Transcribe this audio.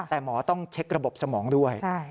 แต่หมอต้องเช็คระบบสมองด้วย